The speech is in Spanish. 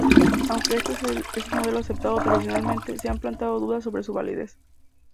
Aunque este es el modelo aceptado tradicionalmente, se han planteado dudas sobre su validez.